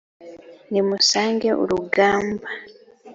nimusange urugamba